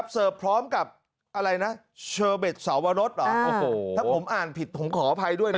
เสิร์ฟพร้อมกับเชอเบจสาวรสถ้าผมอ่านผิดผมขออภัยด้วย